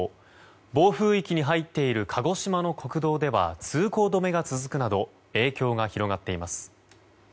暴風域に入っている鹿児島の国道では通行止めが続くなど影響が広がっています。